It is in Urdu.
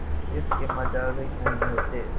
اس کے مجاز ہی نہیں ہوتے